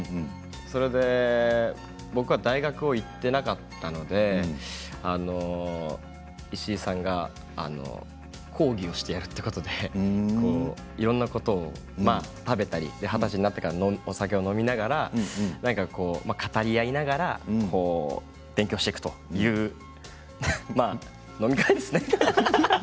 それで僕は大学に行ってなかったので石井さんが講義をしてやるということでいろいろなことを食べたり、二十歳になってからお酒を飲みながら語り合いながら勉強していくというまあ、飲み会ですね。